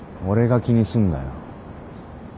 俺が気にすんだよ。